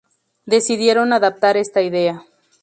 Decidieron adaptar esta idea.